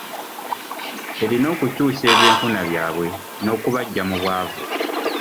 Erina okukyusa ebyenfuna byabwe n’okubaggya mu bwavu.